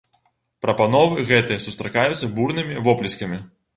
Прапановы гэтыя сустракаюцца бурнымі воплескамі.